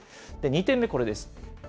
２点目、これです。